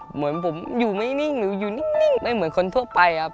เหมือนผมอยู่ไม่นิ่งหรืออยู่นิ่งไม่เหมือนคนทั่วไปครับ